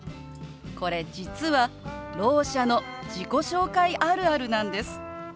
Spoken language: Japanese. これ実はろう者の自己紹介あるあるなんです。